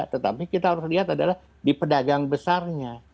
tetapi kita harus lihat adalah di pedagang besarnya